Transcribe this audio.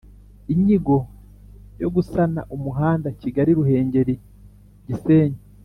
inyigo zo gusana umuhanda Kigali Ruhengeri Gisenyi